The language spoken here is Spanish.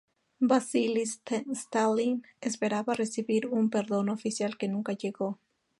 Vasili Stalin esperaba recibir un perdón oficial que nunca llegó.